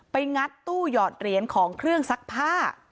งัดตู้หยอดเหรียญของเครื่องซักผ้า